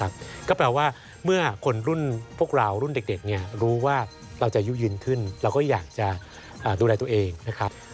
เราก็อยากจะดูแลตัวเองนะครับ